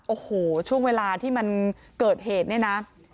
โอ้โหช่วงเวลาที่มันเกิดเหตุเนี่ยนะ